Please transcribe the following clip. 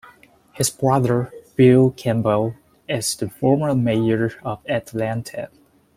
His brother, Bill Campbell, is the former mayor of Atlanta.